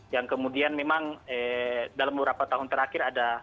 yang kemudian memang dalam beberapa tahun terakhir ada